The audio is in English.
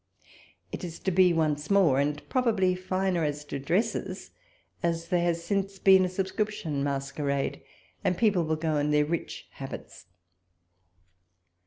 It is to be once more, and probably finer as to dresses, as there has since been a subscription masquerade, and people will go in their rich habits.